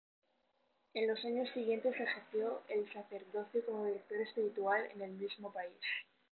En los años siguientes ejerció el sacerdocio como director espiritual en el mismo país.